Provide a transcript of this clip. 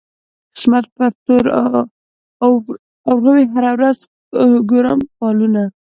د قسمت پر تور اورغوي هره ورځ ګورم فالونه